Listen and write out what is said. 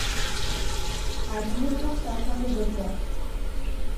আজিজুল হক তার সঙ্গে যোগ দেন।